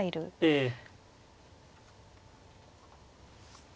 ええ。